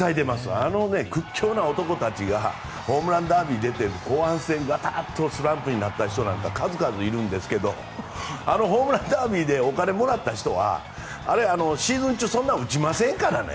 あの屈強な男たちがホームランダービー出て後半戦スランプになった人なんか数々いるんですけどあのホームランダービーでお金もらった人はシーズン中そんなに打ちませんからね。